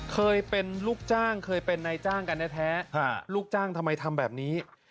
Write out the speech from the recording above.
เคยเป็นลูกจ้างเคยเป็นนายจ้างกันแท้ลูกจ้างทำไมทำแบบนี้